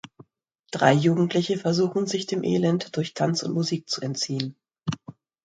Drei Jugendliche versuchen sich dem Elend durch Tanz und Musik zu entziehen.